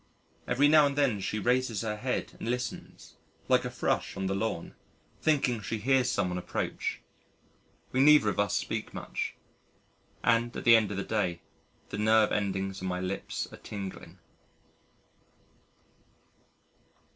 Every now and then she raises her head and listens (like a Thrush on the lawn) thinking she hears someone approach. We neither of us speak much ... and at the end of the day, the nerve endings on my lips are tingling.